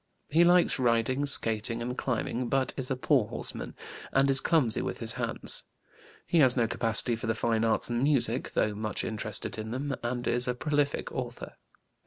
He likes riding, skating, and climbing, but is a poor horseman, and is clumsy with his hands. He has no capacity for the fine arts and music, though much interested in them, and is a prolific author.